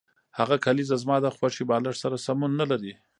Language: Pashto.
هغه کلیزه زما د خوښې بالښت سره سمون نلري